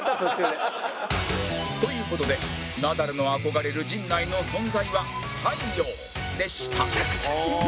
という事でナダルの憧れる陣内の存在は太陽でした